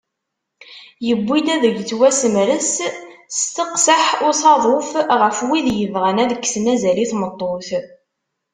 Yewwi-d ad yettwasemres s teqseḥ usaḍuf ɣef wid yebɣan ad kksen azal i tmeṭṭut.